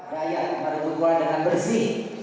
raya yang baru bergolanya dengan bersih